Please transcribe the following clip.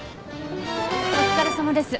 お疲れさまです。